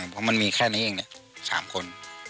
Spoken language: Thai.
เพราะมันมีแค่นี้เอง๓คน